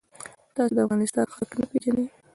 تاسو د افغانستان خلک نه پیژنئ.